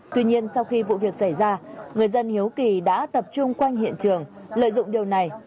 tuy nhiên sau khi vụ việc xảy ra người dân hiếu kỳ đã tập trung quanh hiện trường lợi dụng điều này